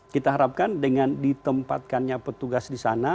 kita harapkan dengan ditempatkannya petugas di sana